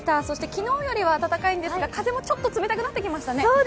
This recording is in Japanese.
そして昨日よりは暖かいんですが、風もちょっと冷たくなってきましたね。